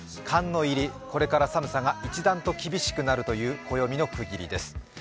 寒の入り、これから寒さが一段と厳しくなるという暦の区切りです。